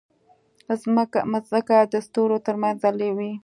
مځکه د ستورو ترمنځ ځلوي.